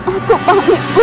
aku paham gusti